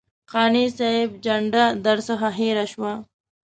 قانع صاحب جنډه درڅخه هېره شوه.